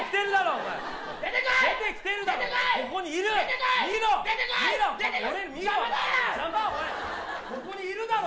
おいここにいるだろ？